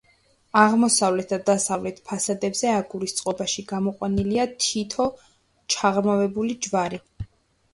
აღმოსავლეთ და დასავლეთ ფასადებზე აგურის წყობაში გამოყვანილია თითო ჩაღრმავებული ჯვარი.